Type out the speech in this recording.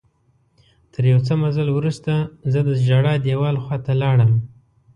تر یو څه مزل وروسته زه د ژړا دیوال خواته لاړم.